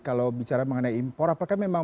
kalau bicara mengenai impor apakah memang